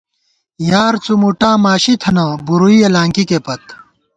یار څُمُٹا ماشی تھنہ ، بُرُوئیَہ لانکِکے پت